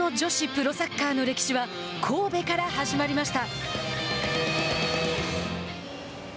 日本の女子プロサッカーの歴史は、神戸から始まりました。